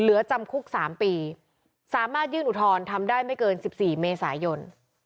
เหลือจำคุก๓ปีสามารถยื่นอุทธรณ์ทำได้ไม่เกิน๑๔เมษายน